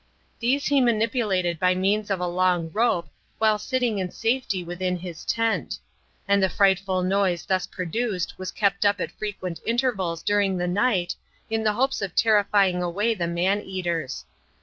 These he manipulated by means of a long rope, while sitting in safety within his tent; and the frightful noise thus produced was kept up at frequent intervals during the night in the hopes of terrifying away the man eaters.